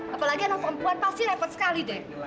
apalagi anak perempuan pasti repot sekali deh